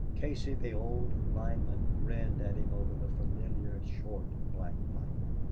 Casey, the old lineman, grinned at him over the familiar short, black pipe.